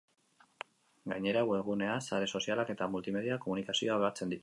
Gainera, webgunea, sare sozialak eta multimedia komunikazioa batzen ditu.